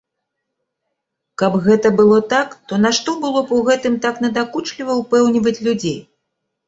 Каб гэта было так, то нашто было б у гэтым так надакучліва ўпэўніваць людзей?